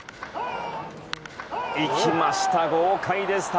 いきました、豪快でした！